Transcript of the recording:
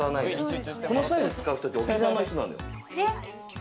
このサイズ使う人って、沖縄の人なのよ。